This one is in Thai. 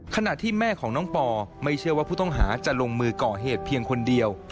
ขณะที่แม่ของน้องปอไม่เชื่อว่าผู้ต้องหาจะลงมือก่อเหตุเพียงคนเดียว